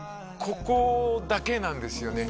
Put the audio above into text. ここだけなんですよね